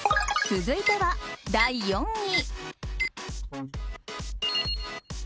続いては第３位。